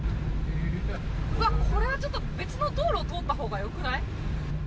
うわっ、これはちょっと別の道路通ったほうがよくない？